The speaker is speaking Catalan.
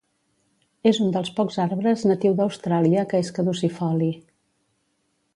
És un dels pocs arbres natiu d'Austràlia que és caducifoli.